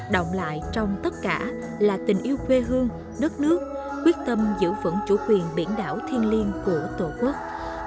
động lại trong tất cả là tình yêu quê hương đất nước quyết tâm giữ vững chủ quyền biển đảo thiên liêng của tổ quốc